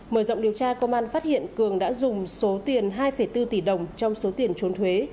mở rộng điều tra công an phát hiện cường đã dùng số tiền hai bốn tỷ đồng trong số tiền trốn thuế